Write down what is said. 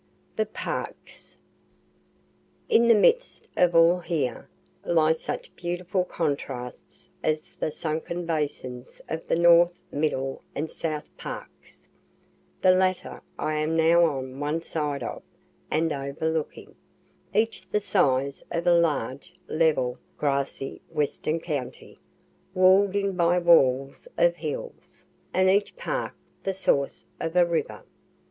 THE PARKS In the midst of all here, lie such beautiful contrasts as the sunken basins of the North, Middle, and South Parks, (the latter I am now on one side of, and overlooking,) each the size of a large, level, almost quandrangular, grassy, western county, wall'd in by walls of hills, and each park the source of a river.